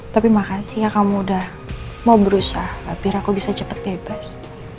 tapi makasih ya kamu udah mau berusaha gak pira aku bisa cepet bebas